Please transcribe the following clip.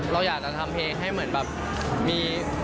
เราอยากจะทำเพลงให้เหมือนแบบมี